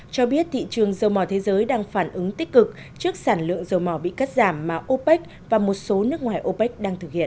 cho biết thị trường dầu mò thế giới đang phản ứng tích cực trước sản lượng dầu mỏ bị cắt giảm mà opec và một số nước ngoài opec đang thực hiện